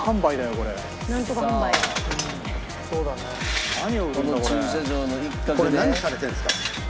これ何されてるんですか？